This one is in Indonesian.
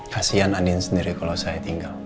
kasian andin sendiri kalau saya tinggal